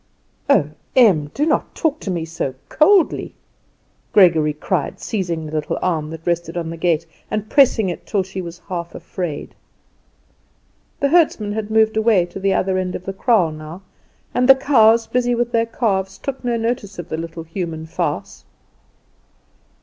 "Oh, Em, do not talk to me so coldly!" Gregory cried, seizing the little arm that rested on the gate, and pressing it till she was half afraid. The herdsman had moved away to the other end of the kraal now, and the cows, busy with their calves, took no notice of the little human farce.